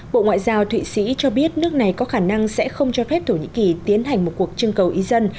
bộ ngoại giao thụy sĩ cho biết nước này có khả năng sẽ không cho phép thổ nhĩ kỳ tiến hành một cuộc trưng cầu ý dân